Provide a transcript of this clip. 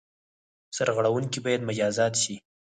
سرغړوونکي باید مجازات شي.